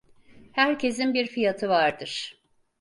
Herkesin bir fiyatı vardır.